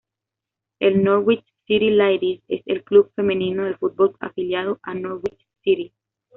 El Norwich City Ladies es el club femenino de fútbol afiliado a Norwich City.